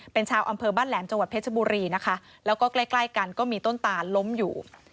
เป็นชาวอำเภอบ้านแหลมจังหวัดเพชรบุรีนะคะแล้วก็ใกล้ใกล้กันก็มีต้นตาลล้มอยู่